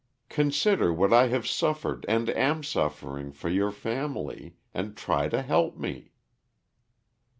Consider what I have suffered and am suffering for your family, and try to help me."